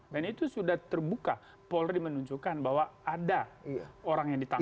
dan itu sudah terbuka polri menunjukkan bahwa ada orang yang ditangkap